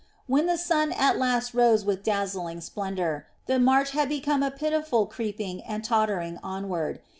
When the sun at last rose with dazzling splendor, the march had become a pitiful creeping and tottering onward.